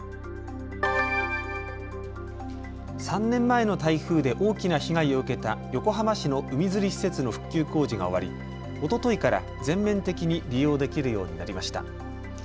３年前の台風で大きな被害を受けた横浜市の海釣り施設の復旧工事が終わりおとといから全面的に利用できるようになりました。